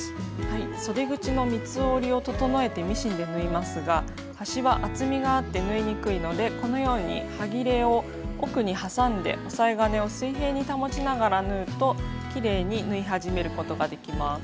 そで口の三つ折りを整えてミシンで縫いますが端は厚みがあって縫いにくいのでこのようにはぎれを奥に挟んで押さえ金を水平に保ちながら縫うときれいに縫い始めることができます。